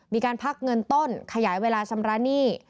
มีการพักเงินต้นขยายเวลาชำระหนี้